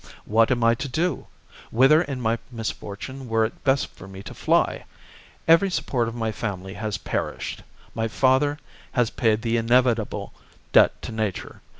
What am I to do .? Whither in my misfortune were it best ifor me to fly ? Every support of my family has perished. My father has paid the inevitable debt to nature.